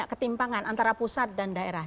ketimpangan antara pusat dan daerah